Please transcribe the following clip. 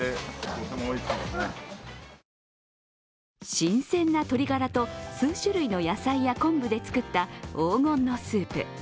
新鮮な鶏がらと数種類の野菜や昆布で作った黄金のスープ。